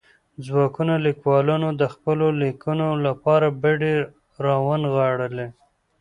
ځوانو ليکوالو د خپلو ليکنو لپاره بډې را ونغاړلې.